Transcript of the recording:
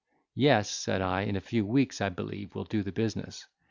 "Yes," said I, "a few weeks, I believe, will do the business.